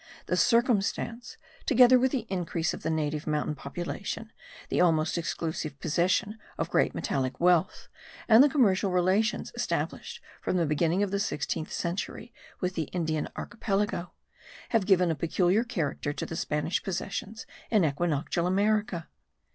This circumstance, together with the increase of the native mountain population, the almost exclusive possession of great metallic wealth, and the commercial relations established from the beginning of the sixteenth century with the Indian archipelago, have given a peculiar character to the Spanish possessions in equinoctial America.